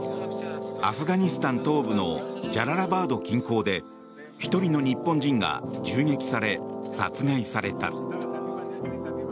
アフガニスタン東部のジャララバード近郊で１人の日本人が銃撃され殺害された。